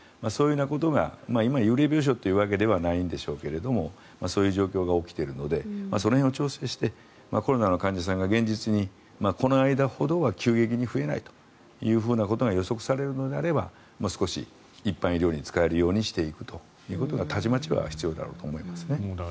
そういうことが今幽霊病床というわけではないんでしょうけどそういう状況が起きているのでその辺を調整してコロナの患者さんが現実にこの間ほどは急激に増えないということが予測されるのであれば少し一般医療に使えるようにしていくということはたちまちは必要だろうと思いますね。